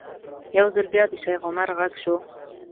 یو ځل بیا د شیخ عمر غږ شو.